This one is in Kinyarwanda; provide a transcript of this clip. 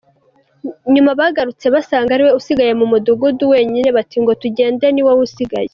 Nyuma bagarutse basanga ariwe usigaye mu mudugudu wenyine, bati ngo tujyende ni wowe usigaye !